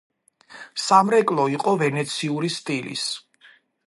სამრეკლო იყო ვენეციური სტილის.